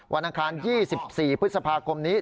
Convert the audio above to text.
อังคาร๒๔พฤษภาคมนี้